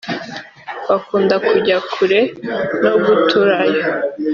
bakunda kujya kure no guturayo